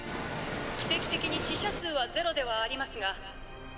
奇跡的に死者数はゼロではありますが建物は半壊。